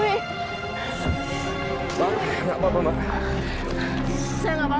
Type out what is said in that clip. indah konnteberded again